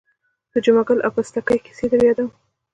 د جمعه ګل او پستکي کیسه در یادوم.